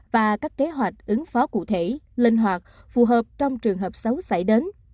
và các kế hoạch ứng phó cụ thể linh hoạt phù hợp trong trường hợp xấu xảy đến